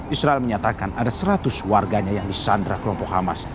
israel menyatakan ada seratus warganya yang disandra kelompok hamas